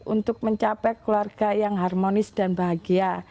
untuk mencapai keluarga yang harmonis dan bahagia